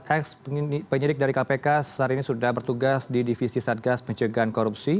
empat puluh empat ex penyidik dari kpk sehari ini sudah bertugas di divisi satgas pencegahan korupsi